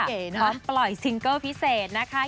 พร้อมปล่อยซิงเกิลพิเศษนะคะ